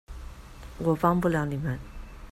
我幫不了你們